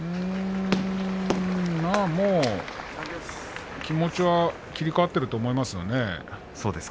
もう気持ちは切り替わっていると思います。